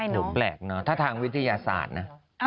หนูแปลกเนอะถ้าทางวิทยาศาสตร์นะ